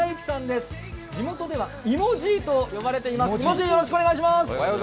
地元では芋爺と呼ばれています。